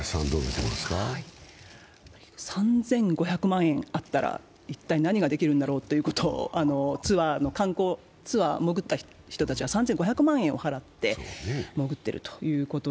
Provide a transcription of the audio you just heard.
３５００万円あったら一体何ができるんだろうと思ってツアー、潜った人は３５００万円を払って潜っていると。